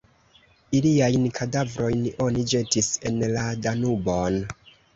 Iliajn kadavrojn oni ĵetis en la Danubon.